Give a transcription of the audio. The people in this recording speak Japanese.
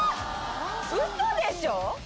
ウソでしょ？